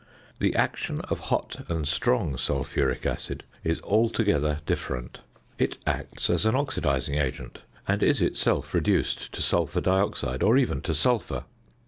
The action of hot and strong sulphuric acid is altogether different; it acts as an oxidising agent, and is itself reduced to sulphur dioxide or even to sulphur.